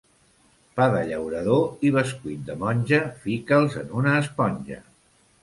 Pa de llaurador i bescuit de monja, fica'ls en una esponja.